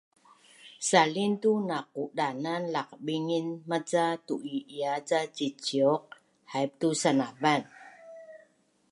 salin tu naqudanan laqbingin maca tu’i’ia ca ciciuq haip tu sanavan